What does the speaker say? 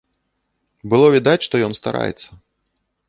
Было відаць, што ён стараецца.